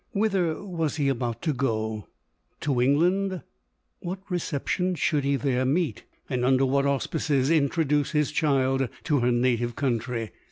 Whither was he about to go ? To England ? What reception should he there meet ? and un der what auspices introduce his child to her native country